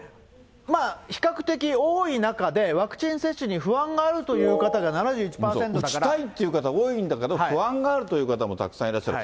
比較的多い中でワクチン接種に不安があるという方が７１％だ打ちたいっていう方多いんだけど、不安があるという方もたくさんいらっしゃる。